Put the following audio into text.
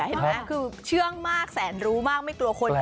เห็นไหมคือเชื่องมากแสนรู้มากไม่กลัวคน